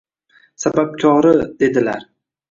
Sababkori, dedilar.